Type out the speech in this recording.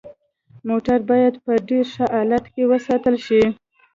موټر باید په ډیر ښه حالت کې وساتل شي